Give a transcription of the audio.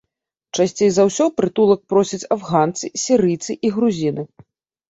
Часцей за ўсё прытулак просяць афганцы, сірыйцы і грузіны.